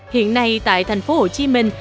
hiện nay tại thành phố hồ chí minh